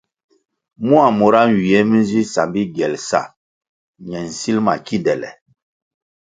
Mua mura nywie mi nzi sambi giel sa ñe nsil ma kindele.